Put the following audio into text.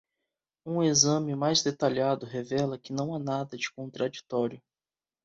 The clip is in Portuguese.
Um exame mais detalhado revela que não há nada de contraditório.